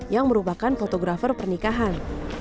yang merupakan fotografer pernikahan